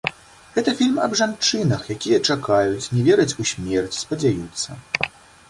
Гэта фільм аб жанчынах, якія чакаюць, не вераць у смерць, спадзяюцца.